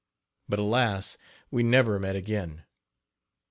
But alas! We never met again.